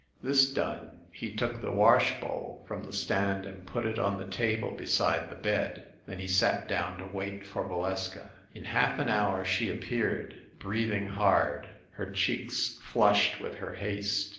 This done, he took the wash bowl from the stand and put it on the table beside the bed. Then he sat down to wait for Valeska. In half an hour she appeared, breathing hard, her cheeks flushed with her haste.